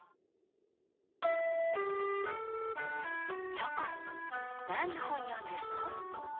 チョコンなんのほんよんでるの？